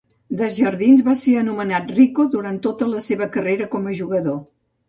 Desjardins va ser anomenat Rico durant tota la seva carrera com a jugador.